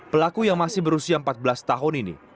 pelaku yang masih berusia empat belas tahun ini